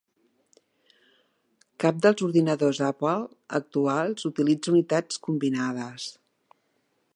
Cap dels ordinadors d'Apple actuals utilitza unitats combinades.